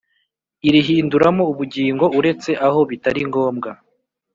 irihinduramo ubugingo uretse aho bitari ngombwa